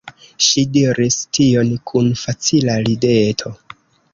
Ŝi diris tion kun facila rideto.